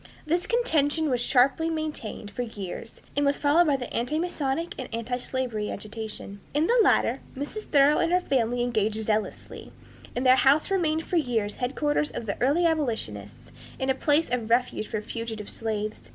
This contention was sharply maintained for years, and was followed by the antimasonic and antislavery agitation. In the latter Mrs. Thoreau and her family engaged zealously, and their house remained for years headquarters for the early abolitionists and a place of refuge for fugitive slaves.